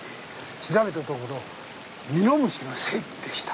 調べたところミノムシの成分でした。